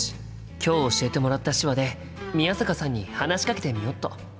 今日教えてもらった手話で宮坂さんに話しかけてみよっと！